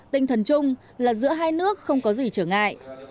tinh thần chung là giữa hai nước không có gì trở ngại